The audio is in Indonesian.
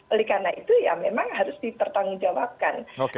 oleh karena itu ya memang harus dipertanggungjawabkan